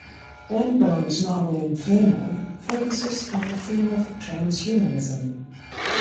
Dan Brown's novel "Inferno" focuses on the theme of transhumanism.